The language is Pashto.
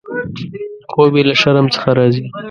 خوب یې له شرم څخه راځي.